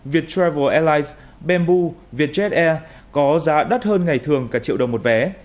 viettravel airlines bamboo vietjet air có giá đắt hơn ngày thường cả triệu đồng một vé